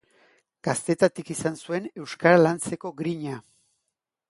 Gaztetatik izan zuen euskara lantzeko grina.